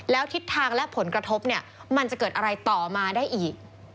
แล้วทิศทางและผลกระทบเนี่ยมันจะเกิดอะไรต่อมาได้อีก